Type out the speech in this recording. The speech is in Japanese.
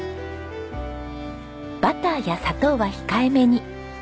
バターや砂糖は控えめに。